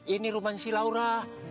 ini rumah si laura